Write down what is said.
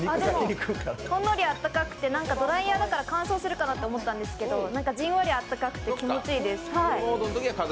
ほんのりあったかくて、ドライヤーだから乾燥するかなって思ったんですけどじんわりあったかくて気持ちいいです。